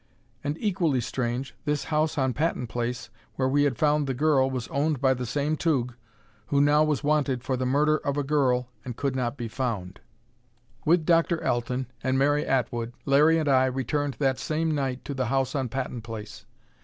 And, equally strange, this house on Patton Place where we had found the girl was owned by the same Tugh who now was wanted for the murder of a girl and could not be found! With Dr. Alten, and Mary Atwood, Larry and I returned that same night to the house on Patton Place.